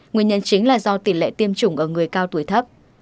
nguyên nhân chính là do tỷ lệ tiêm chủng ở người cao tuổi thấp